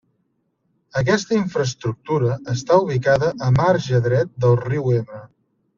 Aquesta infraestructura està ubicada a marge dret del riu Ebre.